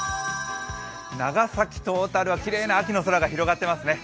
長崎と小樽はきれいな秋の空が広がっていますね。